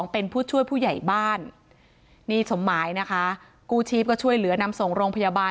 เป็นผู้ช่วยผู้ใหญ่บ้านกู้ชีพช่วยเหลือนำส่งโรงพยาบาล